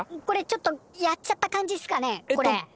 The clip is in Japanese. これちょっとやっちゃった感じっすかねこれ！？